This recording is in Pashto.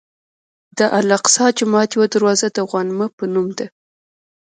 د الاقصی جومات یوه دروازه د غوانمه په نوم ده.